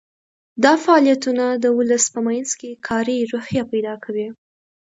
دا فعالیتونه د ولس په منځ کې کاري روحیه پیدا کوي.